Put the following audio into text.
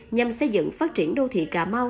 nhằm xây dựng phát triển đô thị cà mau